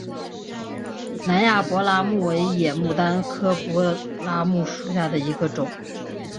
南亚柏拉木为野牡丹科柏拉木属下的一个种。